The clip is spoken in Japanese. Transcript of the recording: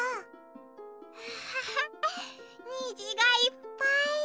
アハハにじがいっぱい。